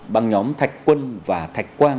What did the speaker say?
bằng nhóm thạch quân và thạch quang